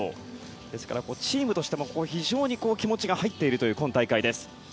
ですから、チームとしても非常に気持ちが入っているという今大会です。